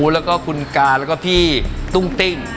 แล้วก็คุณกาแล้วก็พี่ตุ้งติ้ง